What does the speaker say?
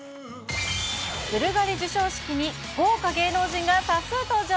ブルガリ授賞式に、豪華芸能人が多数登場。